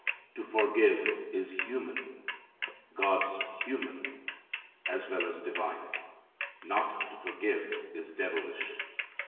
To forgive is human God's human as well as divine. Not to forgive is devilish.